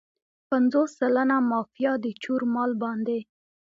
پنځوس سلنه مافیا د چور مال باندې.